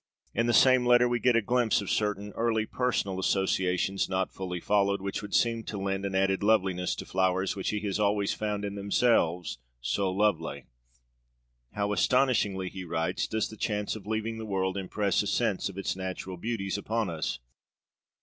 In the same letter we get a glimpse of certain early personal associations not fully followed, which would seem to lend an added loveliness to flowers which he had always found in themselves so lovely. 'How astonishingly,' he writes, ' ...does the chance of leaving the world impress a sense of its natural beauties upon us!